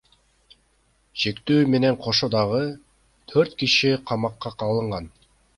Шектүү менен кошо дагы төрт киши камакка алынган.